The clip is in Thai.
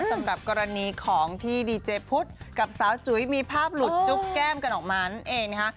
สำหรับกรณีของที่ดีเจพุทธกับสาวจุ๋ยมีภาพหลุดจุ๊บแก้มกันออกมานั่นเองนะคะ